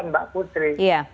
bisa diredam ya